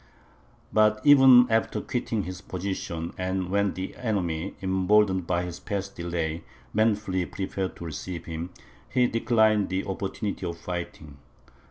But even after quitting his position, and when the enemy, emboldened by his past delay, manfully prepared to receive him, he declined the opportunity of fighting.